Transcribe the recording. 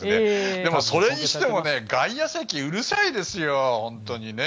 でも、それにしても外野席、うるさいですよ。